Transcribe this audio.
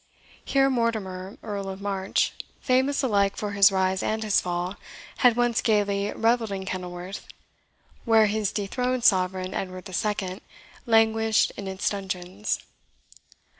Here Mortimer, Earl of March, famous alike for his rise and his fall, had once gaily revelled in Kenilworth, while his dethroned sovereign, Edward II., languished in its dungeons.